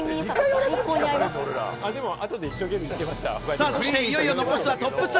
さあ、そしていよいよ残すはトップ２。